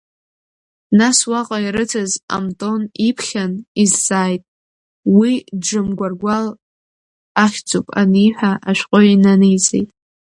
Нас уаҟа ирыцыз Амтон иԥхьан, изҵааит, уи Джамгәаргәал ахьӡуп аниҳәа, ашәҟәы инаниҵеит…